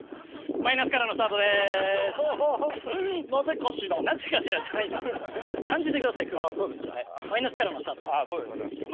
マイナスからのスタートですから。